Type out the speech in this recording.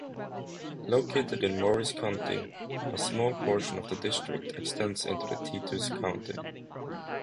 Located in Morris County, a small portion of the district extends into Titus County.